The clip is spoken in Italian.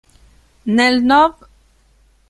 Nel nov.